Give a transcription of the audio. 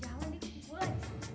jalan jalan dia cuci bola disana